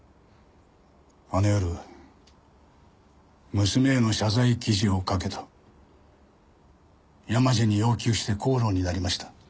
あの夜娘への謝罪記事を書けと山路に要求して口論になりました。